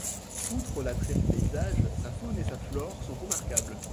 Outre l'attrait du paysage, sa faune et sa flore sont remarquables.